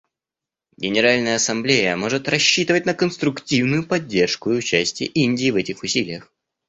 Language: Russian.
Генеральная Ассамблея может рассчитывать на конструктивную поддержку и участие Индии в этих усилиях.